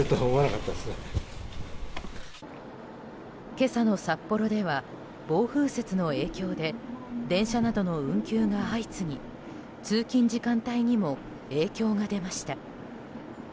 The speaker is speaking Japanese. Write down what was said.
今朝の札幌では暴風雪の影響で電車などの運休が相次ぎ通勤時間帯にも影響が出ました。